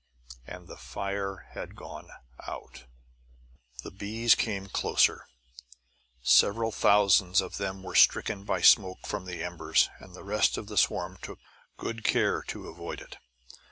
AND THE FIRE HAD GONE OUT. The bees came closer. Several thousands of them were stricken by smoke from the embers, and the rest of the swarm took good care to avoid it.